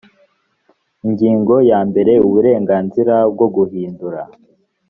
ingingo ya mbere uburenganzirabwo guhindura